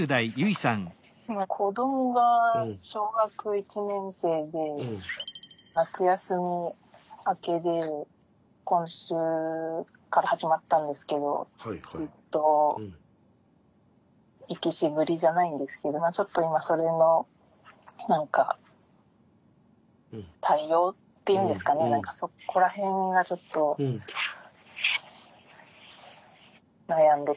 今子どもが小学１年生で夏休み明けで今週から始まったんですけどずっと行き渋りじゃないんですけどちょっと今それの何か対応っていうんですかね何かそこら辺がちょっと悩んでてっていうか。